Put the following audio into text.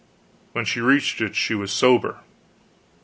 When she reached it she was sober.